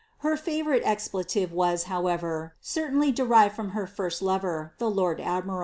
Her favourite expletive was, however, certainty deiini from her first lover, the '"f^ nflmi™!.